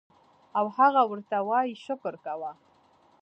او هغه ورته وائي شکر کوه